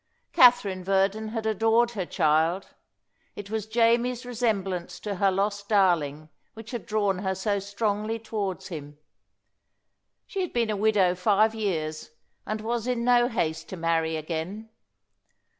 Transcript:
Katherine Verdon had adored her child; it was Jamie's resemblance to her lost darling which had drawn her so strongly towards him. She had been a widow five years, and was in no haste to marry again.